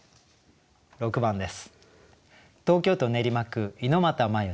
６番です。